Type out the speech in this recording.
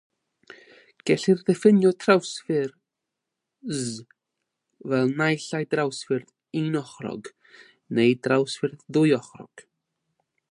Gellir diffinio'r trawsffurf-Z fel naill ai drawsffurf “unochrog” neu drawsffurf “ddwy ochrog”.